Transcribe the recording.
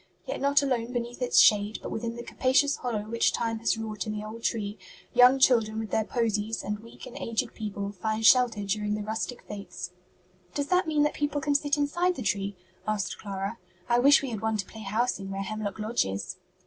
Yet not alone beneath its shade, but within the capacious hollow which time has wrought in the old tree, young children with their posies and weak and aged people find shelter during the rustic fêtes.'" "Does that mean that people can sit inside the tree?" asked Clara. "I wish we had one to play house in where Hemlock Lodge is."